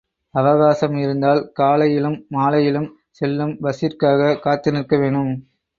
அவகாசம் இருந்தால் காலையிலும் மாலையிலும் செல்லும் பஸ்ஸிற்காகக் காத்து நிற்க வேணும்.